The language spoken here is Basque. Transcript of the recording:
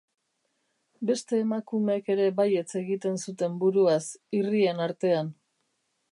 Beste emakumeek ere baietz egiten zuten buruaz, irrien artean.